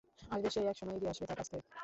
আসবে, সে এক সময় এগিয়ে আসবে তার কাছে।